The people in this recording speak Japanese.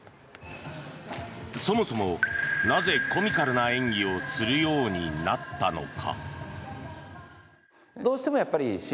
そもそも、なぜコミカルな演技をするようになったのか。